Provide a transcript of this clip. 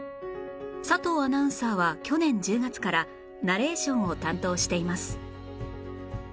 佐藤アナウンサーは去年１０月からナレーションを担当しています